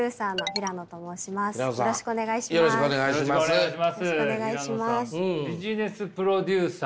平野さんビジネスプロデューサー。